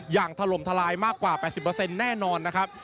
ถล่มทลายมากกว่า๘๐แน่นอนนะครับ